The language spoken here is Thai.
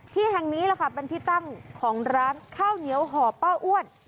ที่แห่งนี้แหละค่ะเป็นที่ตั้งของร้านข้าวเหนียวห่อป้าอ้วน